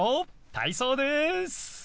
体操です。